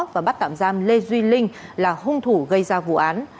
và bắt tạm giam lê duy linh là hung thủ gây ra vụ án